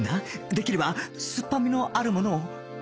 できれば酸っぱみのあるものを